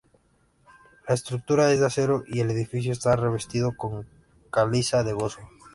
La estructura es de acero y el edificio está revestido con caliza de Gozo.